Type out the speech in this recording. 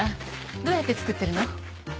どうやって作ってるの？